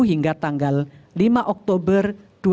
hingga tanggal lima oktober dua ribu dua puluh